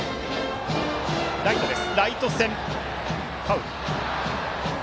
ライト線、ファウル。